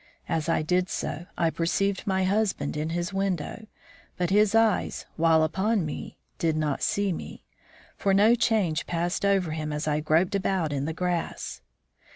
As I did so, I perceived my husband in his window, but his eyes, while upon me, did not see me, for no change passed over him as I groped about in the grass.